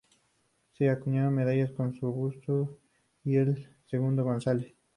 Se acuñaron medallas con su busto y el de su segundo, González.